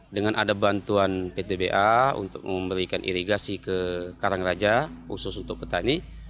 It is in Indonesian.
dengan ada bantuan ptba untuk memberikan irigasi ke karangraja khusus untuk petani